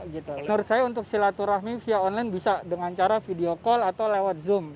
menurut saya untuk silaturahmi via online bisa dengan cara video call atau lewat zoom